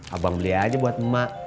abang beli aja buat emak